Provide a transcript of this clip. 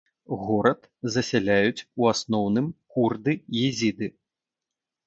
Горад засяляюць ў асноўным курды-езіды.